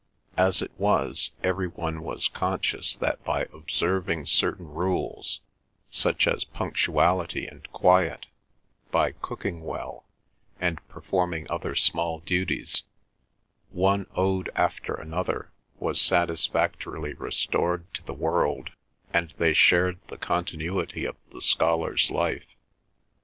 As it was, every one was conscious that by observing certain rules, such as punctuality and quiet, by cooking well, and performing other small duties, one ode after another was satisfactorily restored to the world, and they shared the continuity of the scholar's life.